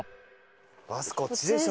バスこっちでしょ。